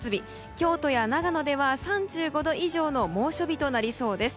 京都や長野では、３５度以上の猛暑日となりそうです。